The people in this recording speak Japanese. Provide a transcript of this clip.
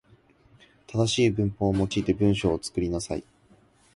正しい文法を用いて文章を作りなさい。